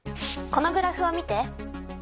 このグラフを見て。